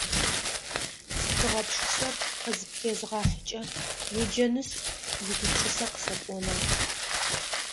Стхыгъэ пшысэр къызыпфэзгъэхьыкӀэ уеджэнышъ уигупшысэ къысэпӀона?